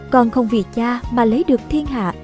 còn không vì cha mà lấy được thiên hạ